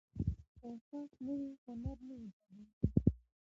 که احساس نه وي، هنر نه ایجاديږي.